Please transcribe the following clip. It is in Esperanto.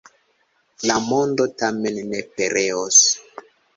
La mondo tamen ne pereos.